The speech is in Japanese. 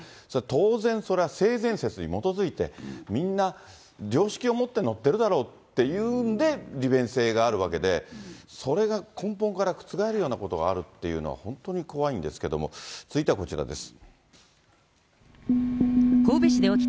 当然、それは性善説に基づいて、みんな常識を持って乗ってるだろうっていうんで、利便性があるわけで、それが根本から覆るようなことがあるっていうのは、本当に怖いんですけども、続いてはこちらです。